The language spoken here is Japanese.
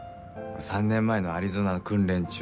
３年前のアリゾナの訓練中。